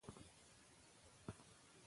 د ولس ګډون د پرېکړو پر کیفیت مستقیم اغېز لري